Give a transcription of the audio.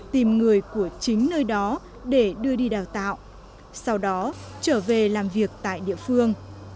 tìm người của chính nơi đó để đưa đi đào tạo sau đó trở về làm việc tại địa phương